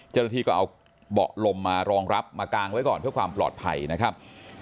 เจ้าหน้าที่ก็เอาเบาะลมมารองรับมากางไว้ก่อนเพื่อความปลอดภัยนะครับ